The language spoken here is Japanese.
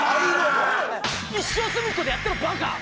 一生隅っこでやってろバカ！